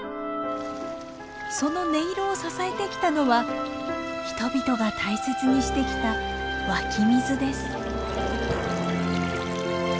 その音色を支えてきたのは人々が大切にしてきた湧き水です。